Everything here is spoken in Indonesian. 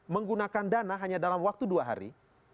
menggunakan dana hanya dalam waktu dua hari